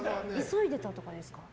急いでいたとかですか？